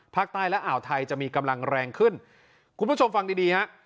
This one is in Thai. และอ่าวไทยจะมีกำลังแรงขึ้นคุณผู้ชมฟังดีดีฮะ